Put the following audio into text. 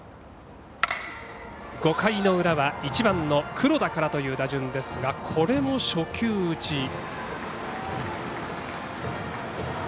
５回の裏は１番の黒田からという打順ですがこれも初球打ち。